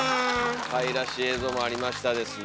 かいらしい映像もありましたですね。